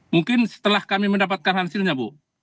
mungkin setelah kami mendapatkan hasilnya bu